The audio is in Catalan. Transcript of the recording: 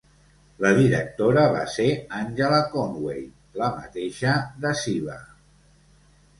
La directora va ser Angela Conway, la mateixa de "Siva".